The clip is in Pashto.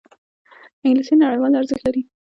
انګلیسي نړیوال ارزښت لري